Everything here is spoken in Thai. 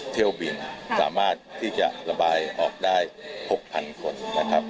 เที่ยวบินสามารถที่จะระบายออกได้๖๐๐๐คนนะครับ